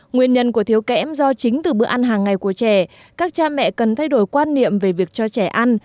nguyên nhân của thiếu kẽm do chính từ bữa ăn hàng ngày của trẻ các cha mẹ cần thay đổi quan niệm về việc cho trẻ ăn